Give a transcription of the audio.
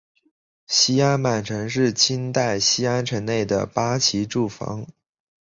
西安满城是清代西安城内的八旗驻防城。